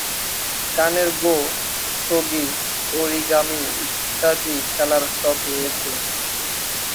কানের go, shogi, origami ইত্যাদি খেলার শখ রয়েছে।